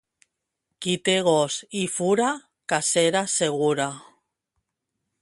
Qui té gos i fura, cacera segura.